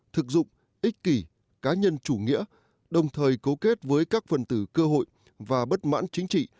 thực dụng ích kỷ cá nhân chủ nghĩa đồng thời cấu kết với các phần tử cơ hội và bất mãn chính trị